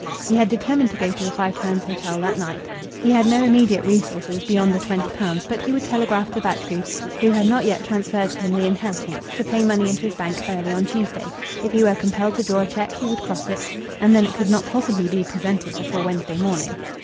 He had determined to go to the Five Towns Hotel that night. He had no immediate resources beyond the twenty pounds, but he would telegraph to Batchgrew, who ad not yet transferred to him the inheritance, to pay money into his bank early on Tuesday; if he were compelled to draw a cheque he would cross it, and then it could not possibly be presented before Wednesday morning.